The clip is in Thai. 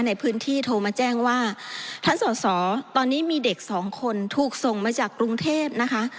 ในพื้นที่โทรมาแจ้งว่าท่านสอสอตอนนี้มีเด็กสองคนถูกส่งมาจากกรุงเทพนะคะ